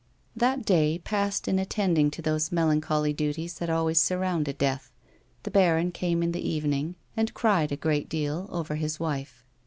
That day passed in attending to those melancholy duties that always surround a death ; the baron came in the even ing, and cried a great deal over his wife.